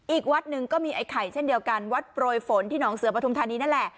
อีกวัดหนึ่งก็มีไอ้ไข่เช่นเดียวกันวัดโปรยฝนที่หองเสือปฐุมธานีนั่นแหละ